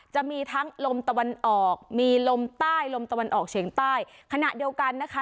จะมีทั้งลมตะวันออกมีลมใต้ลมตะวันออกเฉียงใต้ขณะเดียวกันนะคะ